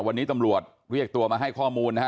วันนี้ตำรวจเรียกตัวมาให้ข้อมูลนะฮะ